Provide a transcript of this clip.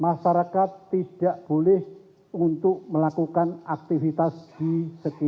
masyarakat tidak boleh untuk melakukan aktivitas di dalam radius dua kilometer dari puncak kawah